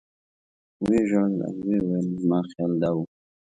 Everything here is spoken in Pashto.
و یې ژړل او ویې ویل زما خیال دا و.